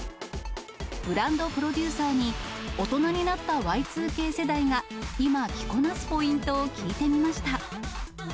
ブランドプロデューサーに、大人になったＹ２Ｋ世代が今、着こなすポイントを聞いてみました。